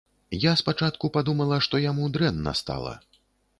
Я спачатку падумала, што яму дрэнна стала.